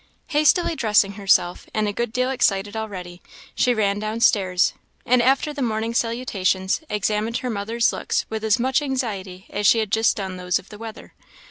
Hastily dressing herself, and a good deal excited already, she ran down stairs, and, after the morning salutations, examined her mother's looks with as much anxiety as she had just done those of the weather.